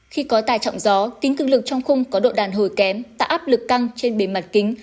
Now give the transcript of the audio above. khi có tài trọng gió kính cực lực trong khung có độ đàn hồi kém tạo áp lực căng trên bề mặt kính